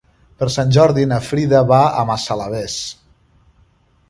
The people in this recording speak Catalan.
Per Sant Jordi na Frida va a Massalavés.